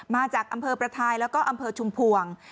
มาจากอำเภอประทายแล้วก็อำเภอชุมพวง